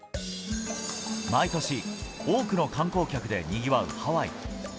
毎年、多くの観光客でにぎわうハワイ。